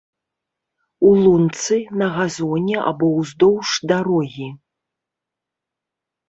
У лунцы, на газоне або ўздоўж дарогі.